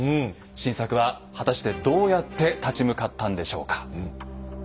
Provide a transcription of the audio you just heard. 晋作は果たしてどうやって立ち向かったんでしょうか？